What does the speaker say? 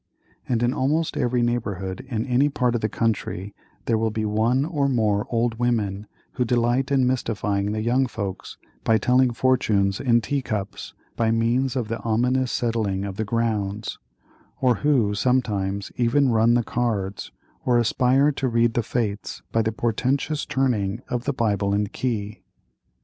And in almost every neighborhood in any part of the country, there will be one or more old women who delight in mystifying the young folks by telling fortunes in tea cups, by means of the ominous settling of the "grounds;"—or who, sometimes, even "run the cards," or aspire to read the fates by the portentous turning of the Bible and key.